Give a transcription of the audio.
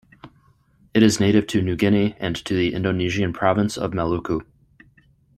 It is native to New Guinea and to the Indonesian Province of Maluku.